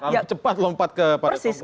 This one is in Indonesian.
lalu cepat lompat ke pada conclusion